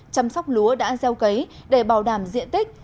chăm sóc lúa đã gieo cấy để bảo đảm diện tích